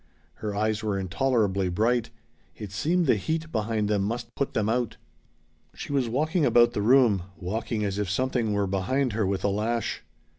Her eyes were intolerably bright. It seemed the heat behind them must put them out. She was walking about the room, walking as if something were behind her with a lash.